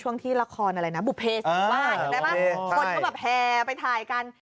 ช่วงที่ละครอะไรนะบุเภสอยู่บ้านเห็นไหมคนก็แฮร์ไปถ่ายกัน